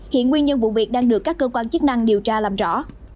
hiện nguyên nhân vụ việc đang được các cơ quan chức năng điều tra làm rõ